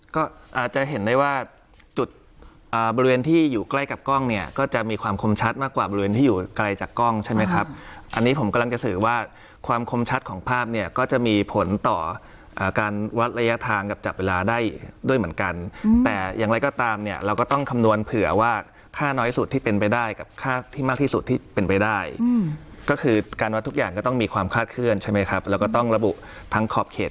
ก็จะเห็นได้ว่าจุดบริเวณที่อยู่ใกล้กับกล้องเนี่ยก็จะมีความคมชัดมากกว่าบริเวณที่อยู่ไกลจากกล้องใช่ไหมครับอันนี้ผมกำลังจะสื่อว่าความคมชัดของภาพเนี่ยก็จะมีผลต่อการวัดระยะทางกับจับเวลาได้ด้วยเหมือนกันแต่อย่างไรก็ตามเนี่ยเราก็ต้องคำนวณเผื่อว่าค่าน้อยสุดที่เป็นไปได้กับค่าที่มากที่ส